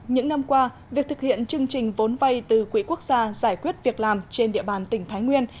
những năm qua việc thực hiện chương trình vốn vay từ quỹ quốc gia giải quyết việc làm trên địa bàn tỉnh thái nguyên